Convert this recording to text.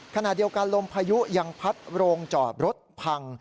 ขณะเดียวกันลมพายุยังพัดโรงจอบรถพัง